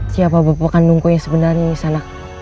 siapa bapak kandungku yang sebenarnya nyesel anak